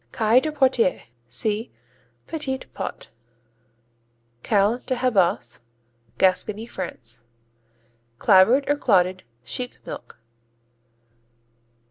Caille de Poitiers see Petits pots. Caille de Habas Gascony, France Clabbered or clotted sheep milk.